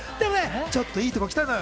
ちょっといいところ来たのよ。